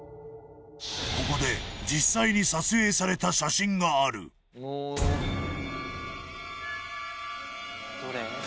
ここで実際に撮影された写真があるどれ？